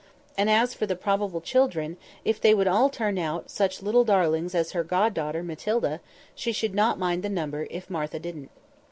And as for the probable children, if they would all turn out such little darlings as her god daughter, Matilda, she should not mind the number, if Martha didn't.